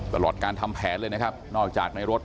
ตลอดการทำแผนเลยนะครับนอกจากในรถ